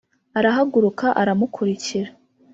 Arahaguruka aramukurikira